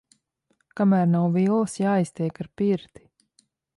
Kamēr nav villas, jāiztiek ar pirti.